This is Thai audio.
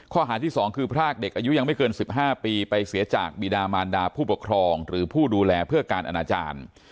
ข้อหาที่๒คือพรากเด็กอายุยังไม่เกิน๑๕ปีไปเสียจากบีดามานดาผู้ปกครองหรือผู้ดูแลเพื่อการอนาจารย์